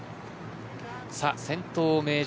先頭、名城